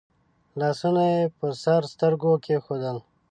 لاسونه يې پر سترګو کېښودل.